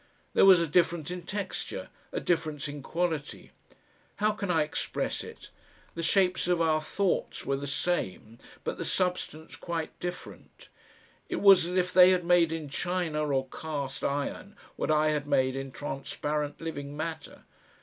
There was a difference in texture, a difference in quality. How can I express it? The shapes of our thoughts were the same, but the substance quite different. It was as if they had made in china or cast iron what I had made in transparent living matter.